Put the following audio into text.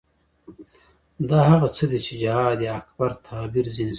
دا هغه څه دي چې جهاد اکبر تعبیر ځنې شوی.